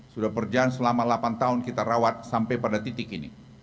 sudah berjalan selama delapan tahun kita rawat sampai pada titik ini